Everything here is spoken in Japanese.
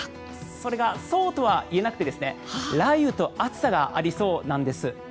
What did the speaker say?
それがそうとは言えなくて雷雨と暑さがありそうなんです。